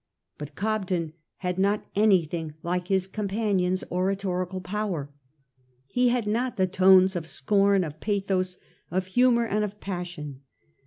But Cobden had not anything like his companion's oratorical power. He had not the tones of scorn, of pathos, of humour, and of passion.